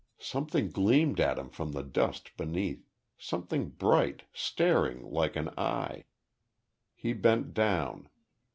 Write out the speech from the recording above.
Something gleamed at him from the dust beneath something bright, staring like an eye. He bent down.